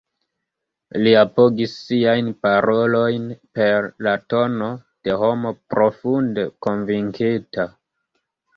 Li apogis siajn parolojn per la tono de homo profunde konvinkita.